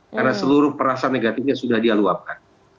karena seluruh perasaan negatifnya sudah dialuapkan